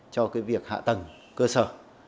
cho cái việc hạ tầng cơ sở